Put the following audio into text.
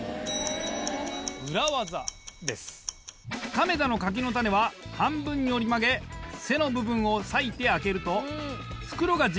亀田の柿の種は半分に折り曲げ背の部分を割いて開けると。